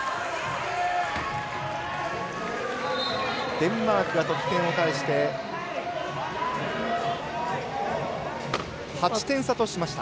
デンマークが得点を返して８点差としました。